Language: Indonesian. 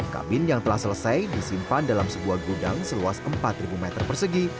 kabin yang telah selesai disimpan dalam sebuah gudang seluas empat meter persegi